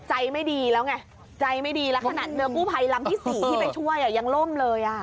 ใจไม่ดีแล้วไงใจไม่ดีแล้วขนาดเรือกู้ภัยลำที่๔ที่ไปช่วยยังล่มเลยอ่ะ